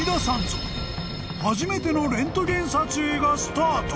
［初めてのレントゲン撮影がスタート］